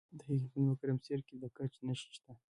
د هلمند په ګرمسیر کې د ګچ نښې شته.